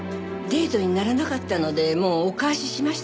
デートにならなかったのでもうお返ししましたけど。